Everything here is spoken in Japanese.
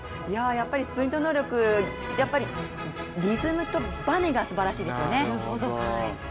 やっぱりスプリント能力、リズムとバネがすばらしいですよね。